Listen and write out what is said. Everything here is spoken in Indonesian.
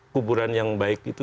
kuburan yang baik itu